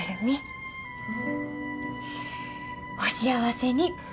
お幸せに。